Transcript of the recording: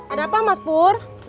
ada apa mas pur